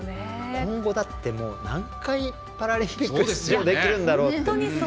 今後何回パラリンピックに出場できるんだろうって。